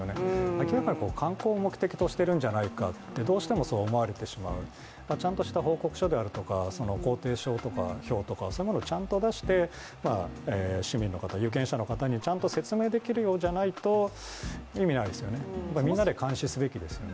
明らかに観光を目的としているんじゃないかとどうしてもそう思われてしまう、ちゃんとした報告書であるとか工程表とかを出して市民の方、有権者の方にちゃんと説明できるようでないと、意味がないですよね、みんなで監視すべきですよね。